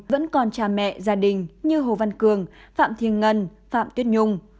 vẫn còn cha mẹ gia đình như hồ văn cường phạm thiên ngân phạm tuyết nhung